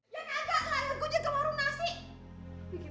yang agak lahir gua juga warung nasi